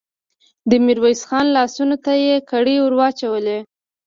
د ميرويس خان لاسونو ته يې کړۍ ور واچولې.